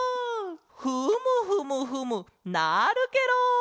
フムフムフムなるケロ！